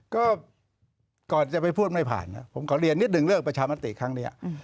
ก็ก่อนจะไปพูดไม่ผ่านผมขอเรียนนิดนึงเรื่องประชามติครั้งนี้